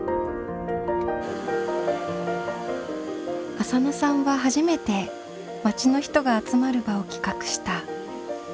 浅野さんは初めて町の人が集まる場を企画した。